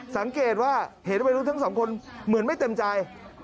สังเกตว่าเห็นวัยรุ่นทั้งสองคนเหมือนไม่เต็มใจ